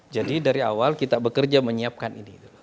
jadi dari awal kita bekerja menyiapkan ini